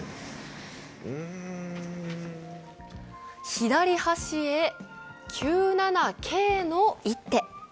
左端へ９七桂の一手。